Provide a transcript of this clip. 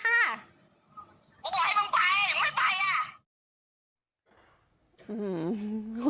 กูบอกให้มึงไปมึงไม่ไปอ่ะ